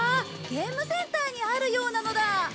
ゲームセンターにあるようなのだ！